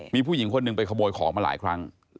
มีผู้หญิงคนหนึ่งไปขโมยของมาหลายครั้ง